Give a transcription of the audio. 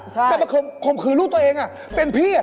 ใช่แต่ความขอบคุณลูกตัวเองเป็นพี่